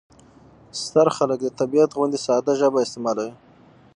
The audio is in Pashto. ستر خلک د طبیعت غوندې ساده ژبه استعمالوي.